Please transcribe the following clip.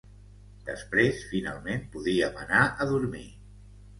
Després finalment podíem anar a dormir.